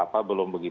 apa belum begitu